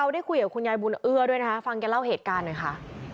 ได้คุยกับคุณยายบุญเอื้อด้วยนะคะฟังแกเล่าเหตุการณ์หน่อยค่ะ